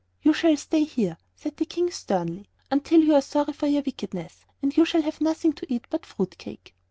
"You shall stay here," said the King, sternly, "until you are sorry for your wickedness; and you shall have nothing to eat but fruit cake."